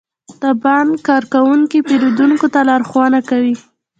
د بانک کارکونکي پیرودونکو ته لارښوونه کوي.